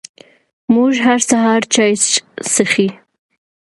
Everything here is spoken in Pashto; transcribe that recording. موږ هر سهار چای څښي🥃